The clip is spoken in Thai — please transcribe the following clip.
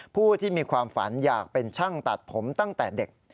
ผู้ที่มีความฝันอยากเป็นช่างตัดผมตั้งแต่เด็ก